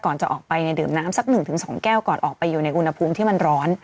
ก่อนจะออกไปในเดิมน้ำสักหนึ่งถึงสองแก้วก่อนออกไปอยู่ในอุณหภูมิที่มันร้อน